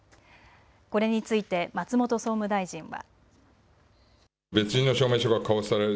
これについて松本総務大臣は。